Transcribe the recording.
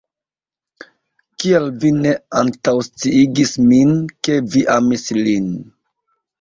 Kial vi ne antaŭsciigis min, ke vi amis lin?